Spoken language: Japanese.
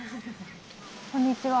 こんにちは。